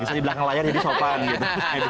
bisa di belakang layar jadi sopan gitu